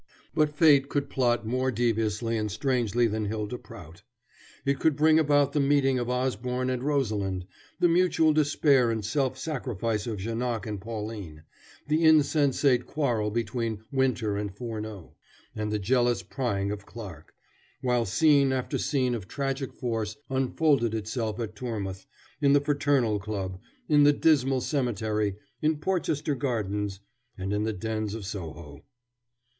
But fate could plot more deviously and strangely than Hylda Prout. It could bring about the meeting of Osborne and Rosalind, the mutual despair and self sacrifice of Janoc and Pauline, the insensate quarrel between Winter and Furneaux, and the jealous prying of Clarke, while scene after scene of tragic force unfolded itself at Tormouth, in the Fraternal Club, in the dismal cemetery, in Porchester Gardens, and in the dens of Soho.